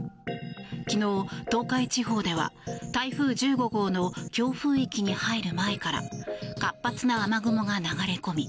昨日、東海地方では台風１５号の強風域に入る前から活発な雨雲が流れ込み